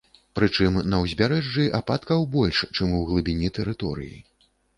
Прычым на ўзбярэжжы ападкаў больш чым у глыбіні тэрыторыі.